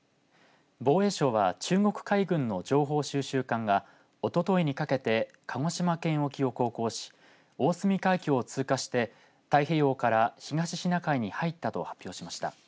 防衛省は中国海軍の情報収集艦がおとといにかけて鹿児島県沖を航行し大隅海峡を通過して太平洋から東シナ海に入ったと発表しました。